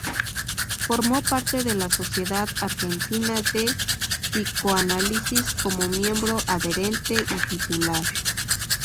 Formó parte de la Sociedad Argentina de Psicoanálisis como miembro Adherente y Titular.